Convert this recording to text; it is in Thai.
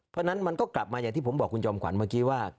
เพราะฉะนั้นมันก็กลับมาอย่างที่ผมบอกคุณจอมขวัญเมื่อกี้ว่า